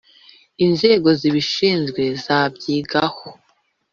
inzego zibishinzwe zabyigaho